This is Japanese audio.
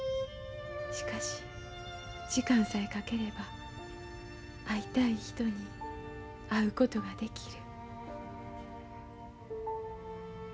しかし時間さえかければ会いたい人に会うことができる。